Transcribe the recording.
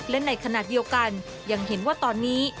และในขณะเดียวกันยังเห็นว่าตอนนี้